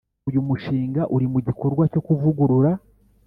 Uyu mushinga uri mu gikorwa cyo kuvugurura